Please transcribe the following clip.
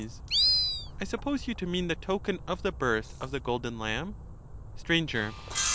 I suppose you to mean the token of the birth of the golden lamb. ^69 S/r.